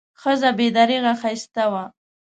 ښځه بې درېغه ښایسته وه.